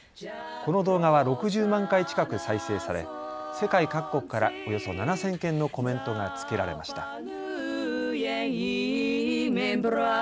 この動画は６０万回近く再生され世界各国からおよそ７０００件のコメントが付けられました。